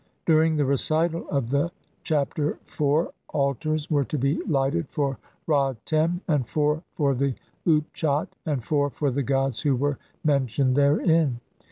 During the recital of the Chapter four al tars were to be lighted for Ra Tem, and four for the Utchat, and four for the gods who were mentioned therein.